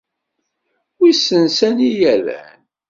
Wissen sani i rran.